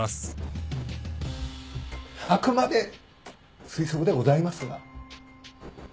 あくまで推測ではございますが。